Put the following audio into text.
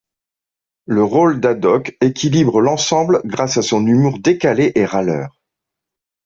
Le rôle d'Haddock équilibre l'ensemble grâce à son humour décalé et râleur.